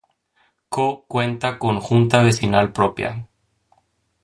Coo cuenta con Junta vecinal propia.